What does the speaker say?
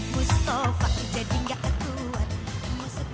mustafa jadi gak ketua